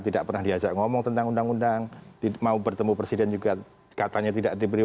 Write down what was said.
tidak pernah diajak ngomong tentang undang undang mau bertemu presiden juga katanya tidak diberi